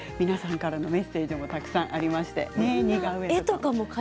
皆さんからのメッセージもたくさんありまして似顔絵も。